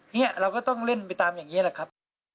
เนี่ยเราก็ต้องเล่นไปตามอย่างนี้แหละครับ